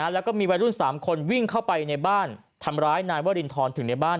แล้วก็มีวัยรุ่น๓คนวิ่งเข้าไปในบ้านทำร้ายนายวรินทรถึงในบ้าน